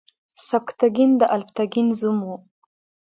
سبکتګین د الپتکین زوم و.